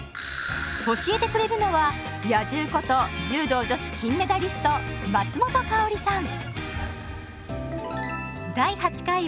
教えてくれるのは「野獣」こと柔道女子金メダリスト松本薫さん。